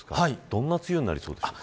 どんな梅雨になりそうですか。